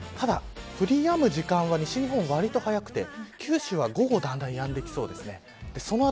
ただ、降りやむ時間は西日本わりと早くて九州は午後だんだんやんできそうです。